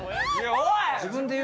おい！